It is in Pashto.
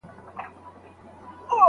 درد ناځوانه بيا زما، ټول وجود نيولی دی